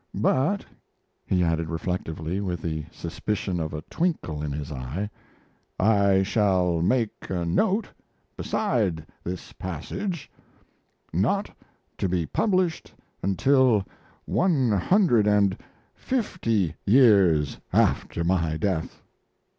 But," he added reflectively, with the suspicion of a twinkle in his eye, "I shall make a note beside this passage: 'Not to be published until one hundred and fifty years after my death'!"